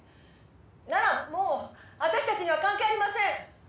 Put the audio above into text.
ならもう私たちには関係ありません！